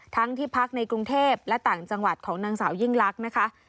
ที่พักในกรุงเทพและต่างจังหวัดของนางสาวยิ่งลักษณ์นะคะ